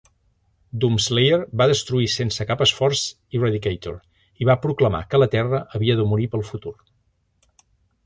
Doomslayer va destruir sense cap esforç Eradicator i va proclamar que la Terra havia de morir pel futur.